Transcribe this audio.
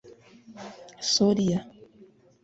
Soria